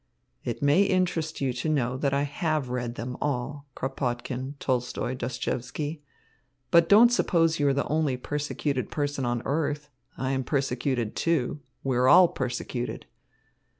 "It may interest you to know that I have read them all, Kropotkin, Tolstoy, Dostoievsky. But don't suppose you are the only persecuted person on earth. I am persecuted, too. We are all persecuted."